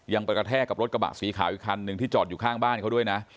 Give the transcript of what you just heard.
ไปกระแทกกับรถกระบะสีขาวอีกคันหนึ่งที่จอดอยู่ข้างบ้านเขาด้วยนะ